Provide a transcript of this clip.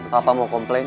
papa mau komplain